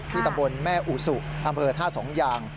ตำบลแม่อุสุอำเภอท่าสองยาง